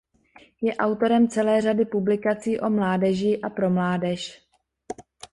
Je autorem celé řady publikací o mládeží a pro mládež.